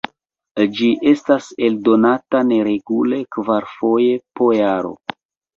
Ĝi estas eldonata neregule kvarfoje po jaro.